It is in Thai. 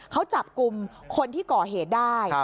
เขาจับกลุ่มคนที่ก่อเหตุได้